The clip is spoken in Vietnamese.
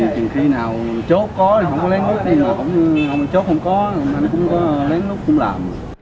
thì chốt không có thì lén lút cũng làm